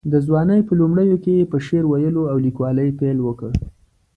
د ځوانۍ په لومړیو کې یې په شعر ویلو او لیکوالۍ پیل وکړ.